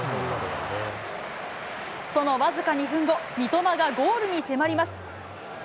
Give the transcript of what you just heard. その僅か２分後、三笘がゴールに迫ります。